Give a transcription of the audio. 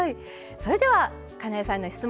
それではかなえさんへの質問